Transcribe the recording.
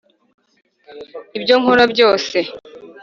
ibyo nkora byose